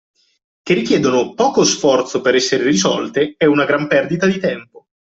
Che richiedono poco sforzo per essere risolte è una gran perdita di tempo.